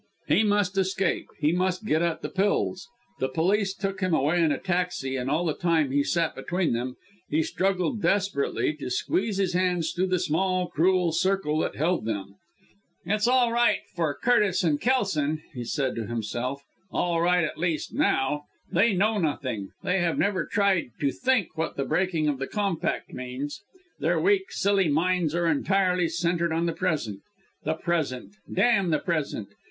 He must escape! He must get at the pills! The police took him away in a taxi, and all the time he sat between them, he struggled desperately to squeeze his hands through the small, cruel circle that held them. "It's all right for Curtis and Kelson!" he said to himself, "all right at least now! They know nothing! They have never tried to think what the breaking of the compact means! Their weak, silly minds are entirely centred on the present! The present! Damn the present!